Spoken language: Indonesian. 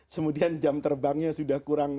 kemudian jam terbangnya sudah kurang